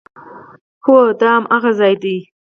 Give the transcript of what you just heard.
هو، دا هماغه ځای ده